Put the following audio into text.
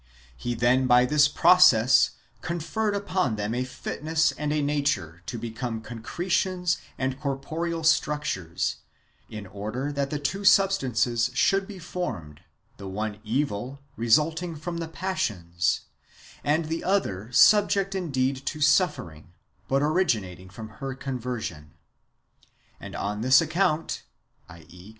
He tlien by this process conferred upon them a fitness and a nature to become concretions and corporeal structures, in order that two substances should be formed, — the one evil, resulting from the passions, and the other subject indeed to suffering, but originating from her conversion. And on this account (i.e.